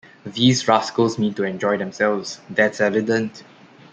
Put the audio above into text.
These rascals mean to enjoy themselves, that's evident.